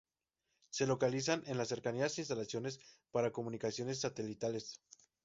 Se localizan en las cercanías instalaciones para comunicaciones satelitales.